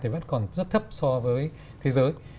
vẫn còn rất thấp so với thế giới